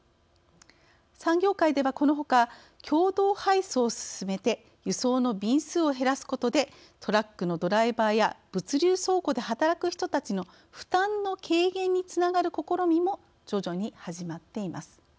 産業界では、このほか共同配送を進めて輸送の便数を減らすことでトラックのドライバーや物流倉庫で働く人たちの負担の軽減につながる試みも徐々に始まっています。